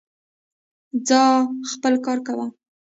ځاا خپل کار کوه